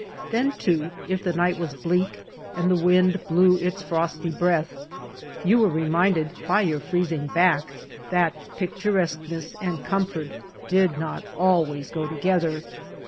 Then, too, if the night was bleak and the wind blew his frosty breath, you were reminded by your freezing back that picturesqueness and comfort did not always go together.